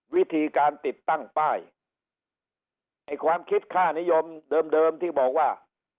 วิธีการติดตั้งป้ายไอ้ความคิดค่านิยมเดิมที่บอกว่า